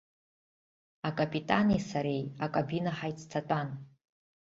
Акапитани сареи акабина ҳаицҭатәан.